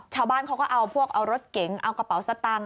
ชาวบ้านเขาก็เอาพวกเอารถเก๋งเอากระเป๋าสตังค์